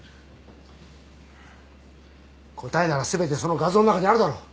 答えなら全てその画像の中にあるだろ。